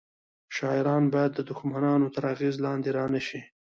شاعران باید د دښمنانو تر اغیز لاندې رانه شي